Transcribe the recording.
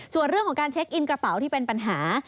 ส่วนเรื่องของการเช็คอินกระเป๋าที่เป็นปัญหา